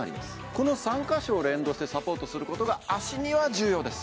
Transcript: この３カ所を連動してサポートすることが脚には重要です